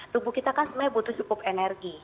tubuh kita kan sebenarnya butuh cukup energi